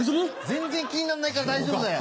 全然気になんないから大丈夫だよ。